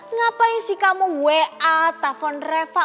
ngapain sih kamu wa telfon refah